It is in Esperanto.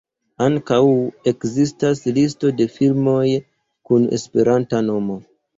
Ankaŭ ekzistas Listo de Filmoj kun esperanta nomo.